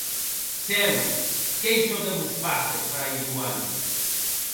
Cèus, qu’ei çò que vos passe, fraire Joan?